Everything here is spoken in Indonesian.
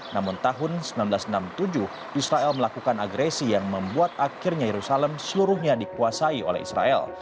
namun tahun seribu sembilan ratus enam puluh tujuh israel melakukan agresi yang membuat akhirnya yerusalem seluruhnya dikuasai oleh israel